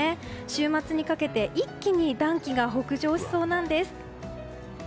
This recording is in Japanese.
週末にかけて一気に暖気が北上しそうなんです。